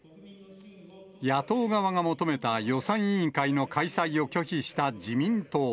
野党側が求めた、予算委員会の開催を拒否した自民党。